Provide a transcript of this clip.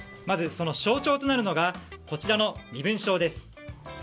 まず、その象徴となるのがこちらの身分証です。